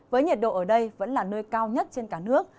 với nhiệt độ ở đây vẫn là nơi cao nhất trên cả nước